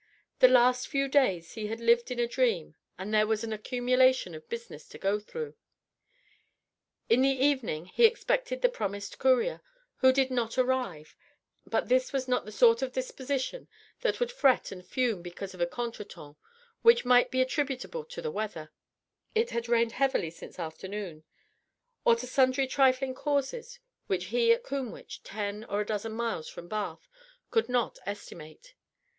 The last few days he had lived in a dream and there was an accumulation of business to go through. In the evening he expected the promised courier, who did not arrive: but his was not the sort of disposition that would fret and fume because of a contretemps which might be attributable to the weather it had rained heavily since afternoon or to sundry trifling causes which he at Combwich, ten or a dozen miles from Bath, could not estimate.